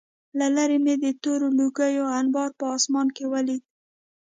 له لېرې مې د تورو لوګیو انبار په آسمان کې ولید